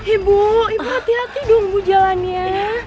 ibu hati hati dong bu jalan ya